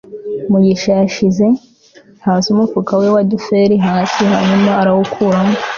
mugisha yashyize hasi umufuka we wa duffel hasi, hanyuma arawukuramo